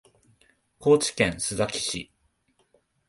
高知県須崎市